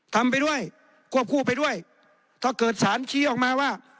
ทำไปด้วยควบคู่ไปด้วยถ้าเกิดสารชี้ออกมาว่า